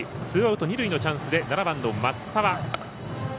ツーアウト、二塁のチャンスで７番の松澤。